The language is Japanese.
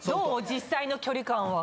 実際の距離感は。